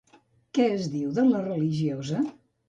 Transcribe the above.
Què es diu de la religiosa?